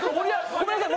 ごめんなさい。